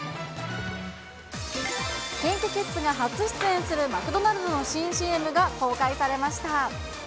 ＫｉｎＫｉＫｉｄｓが初出演するマクドナルドの新ＣＭが公開されました。